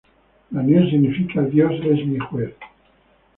Daniel significa "Dios es mi juez".